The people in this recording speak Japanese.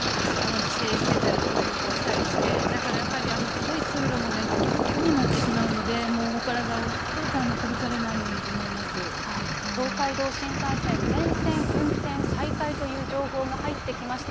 帰省してたりとか、旅行したりして、だからやっぱり、すごい通路もね、ぎゅうぎゅうになってしまうので、もうお体をどうか、東海道新幹線、全線運転再開という情報が入ってきました。